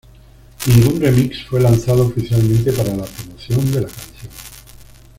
Ningún remix fue lanzado oficialmente para la promoción de la canción.